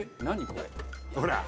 何これ？